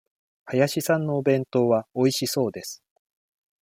林さんのお弁当はおいしそうです。